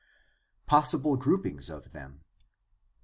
Possible groupings of them.